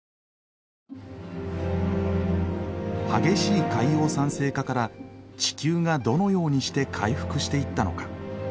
激しい海洋酸性化から地球がどのようにして回復していったのか。